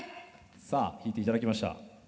さあ引いていただきました。